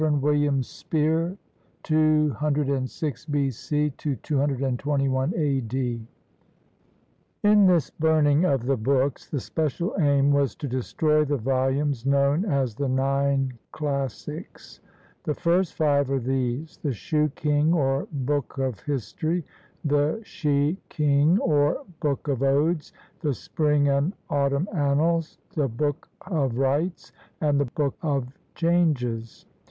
WILLIAM SPEER [206 B.C. 221 A.D.] [In this burning of the books, the special aim was to destroy the volumes known as the Nine Classics. The first five are these: the Shoo king, or Book of History; the She king, or Book of Odes; the Spring and Autumn Annals; the Book of Rites; and the Book of Changes.